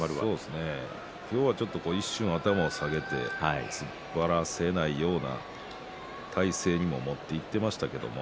今日は一瞬頭を下げて突っ張らせないような体勢に持っていっていましたけれどもね。